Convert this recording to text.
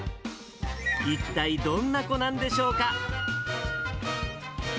一体どんな子なんでしょうか。